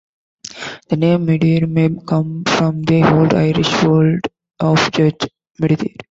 The name Midir may come from the old Irish word for a judge, midithir.